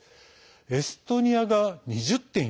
エストニアが２０．１％。